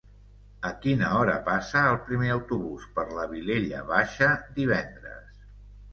A quina hora passa el primer autobús per la Vilella Baixa divendres?